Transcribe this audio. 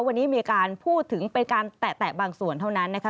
วันนี้มีการพูดถึงเป็นการแตะบางส่วนเท่านั้นนะคะ